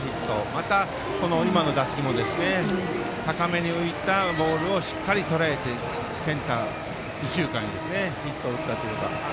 また、今の打席も高めに浮いたボールをしっかりとらえてセンター、右中間にヒットを打ったという。